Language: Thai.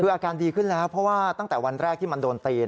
คืออาการดีขึ้นแล้วเพราะว่าตั้งแต่วันแรกที่มันโดนตี